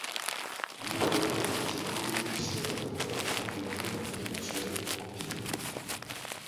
Il est également un critique reconnu du cinéma d'horreur, contribuant notamment au mensuel Empire.